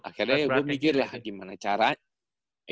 akhirnya gua mikir lah gimana caranya